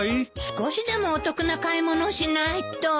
少しでもお得な買い物しないと。